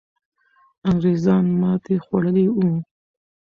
انګریزان ماتې خوړلې وو.